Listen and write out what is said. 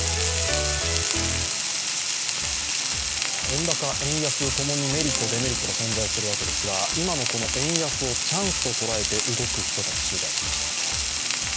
円高、円安ともにメリット、デメリットが存在するわけですが今のこの円安をチャンスと捉えて動く人たち、取材しました。